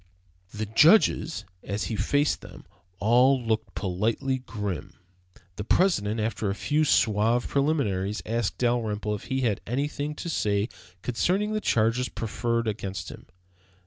The judges, as he faced them, all looked politely grim. The President, after a few suave preliminaries, asked Dalrymple if he had anything to say concerning the charges preferred against him.